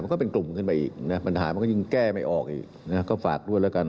ก็เป็นกลุ่มขึ้นไปอีกนะปัญหามันก็ยิ่งแก้ไม่ออกอีกนะก็ฝากด้วยแล้วกัน